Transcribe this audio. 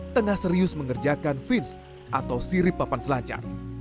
tengah serius mengerjakan fins atau sirip papan selancar